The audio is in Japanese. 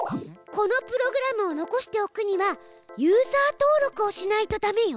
このプログラムを残しておくにはユーザー登録をしないとダメよ。